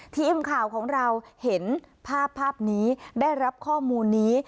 ทีมข่าวของเราเห็นภาพภาพนี้ได้รับข้อมูลนี้